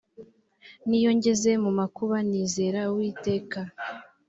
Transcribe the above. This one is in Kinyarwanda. n’iyo ngeze mu makuba nizera uwiteka